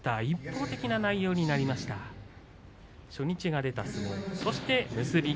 一方的な内容になりました初日が出た相撲です。